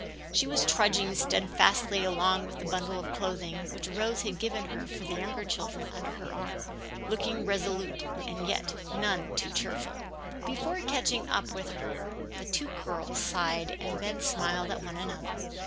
She was trudging steadfastly along with a bundle of clothing which Rose had given her for the younger children under her arm, looking resolute and yet none too cheerful. Before catching up with her the two girls sighed and then smiled at one another.